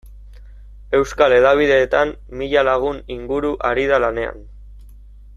Euskal hedabideetan mila lagun inguru ari da lanean.